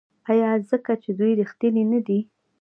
آیا ځکه چې دوی ریښتیني نه دي؟